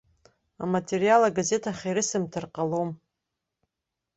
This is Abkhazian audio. Аматериал агазеҭ ахь ирысымҭар ҟалом.